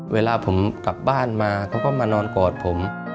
เวลาผมกลับบ้านมาเขาก็มานอนกอดผม